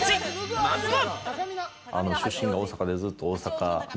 まずは。